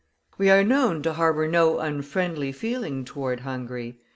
We are known to harbor no unfriendly feeling toward Hungary.